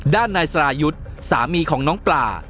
ด้านนายสรายุทธ์สามีของน้องปลา